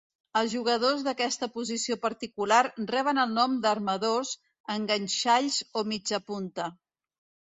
Els jugadors d'aquesta posició particular reben el nom d'armadors, enganxalls, o mitjapunta.